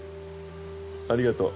ありがとう。